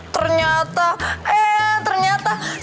ternyata eh ternyata sebel